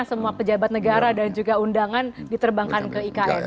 semua pejabat negara dan juga undangan diterbangkan ke ikn